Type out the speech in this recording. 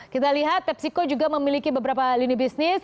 kita lihat pepsiko juga memiliki beberapa lini bisnis